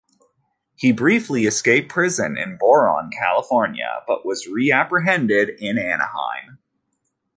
He briefly escaped prison in Boron, California, but was re-apprehended in Anaheim.